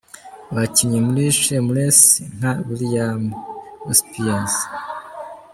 abakinnye muri Shameless nka William H.